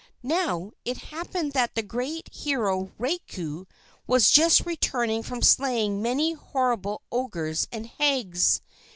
Now, it happened that the great Hero Raiko was just returning from slaying many horrible ogres and hags.